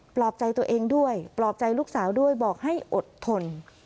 ปลอบใจตัวเองด้วยปลอบใจลูกสาวด้วยบอกให้อดทน